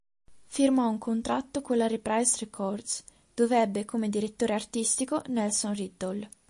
Firmò un contratto con la Reprise Records, dove ebbe come direttore artistico Nelson Riddle.